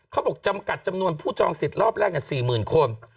เขาบอกจำกัดจำนวนผู้จองสิทธิ์รอบแรก๔๐๐๐คน